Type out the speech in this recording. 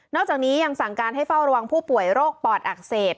จากนี้ยังสั่งการให้เฝ้าระวังผู้ป่วยโรคปอดอักเสบ